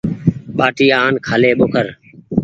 ٻآٽي آن کآلي ٻوکر۔